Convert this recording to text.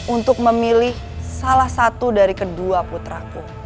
untuk memilih salah satu dari kedua putraku